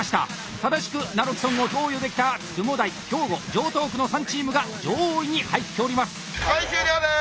正しくナロキソンを投与できた津雲台兵庫城東区の３チームが上位に入っております！